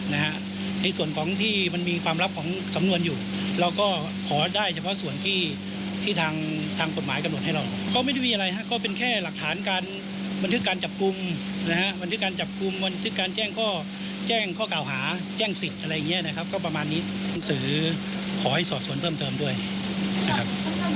ในส่วนของที่มันมีความลับของสำนวนอยู่เราก็ขอได้เฉพาะส่วนที่ที่ทางทางกฎหมายกำหนดให้เราก็ไม่ได้มีอะไรฮะก็เป็นแค่หลักฐานการบันทึกการจับกลุ่มนะฮะบันทึกการจับกลุ่มบันทึกการแจ้งข้อแจ้งข้อกล่าวหาแจ้งสิทธิ์อะไรอย่างเงี้ยนะครับก็ประมาณนี้หนังสือขอให้สอบส่วนเพิ่มเติมด้วยนะครับ